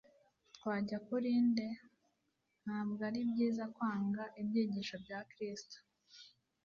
«Twajya kuri nde?» Ntabwo ari byiza kwanga ibyigisho bya Kristo